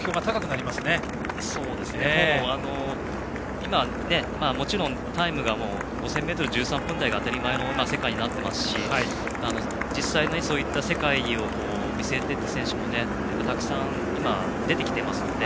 今、もちろんタイムはもう５０００ｍで１３分台が当たり前の世界になっていますし実際、そういう世界を見据えている選手もたくさん今、出てきていますので。